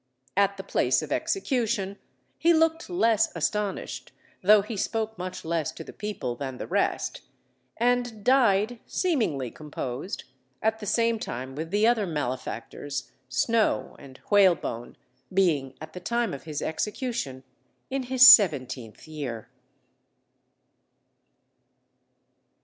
At the place of execution, he looked less astonished though he spoke much less to the people than the rest, and died seemingly composed, at the same time with the other malefactors Snow, and Whalebone, being at the time of his execution in his seventeenth year.